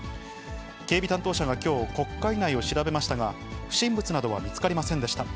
警備担当者がきょう、国会内を調べましたが、不審物などは見つかりませんでした。